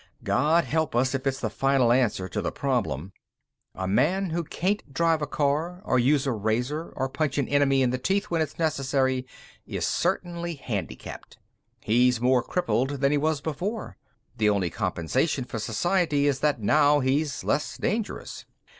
God help us if it's the final answer to the problem! A man who can't drive a car, or use a razor, or punch an enemy in the teeth when it's necessary is certainly handicapped. He's more crippled than he was before. The only compensation for society is that now he's less dangerous.